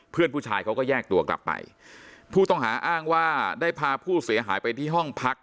เพื่อนผู้ชายเขาก็แยกตัวกลับไปผู้ต้องหาอ้างว่าได้พาผู้เสียหายไปที่ห้องพัก